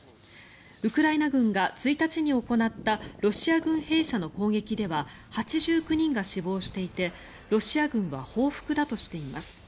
ウクライナ軍が１日に行ったロシア軍兵舎の攻撃では８９人が死亡していてロシア軍は報復だとしています。